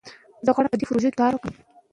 که میندې پوهې وي نو ترافیکي پیښې به نه کیږي.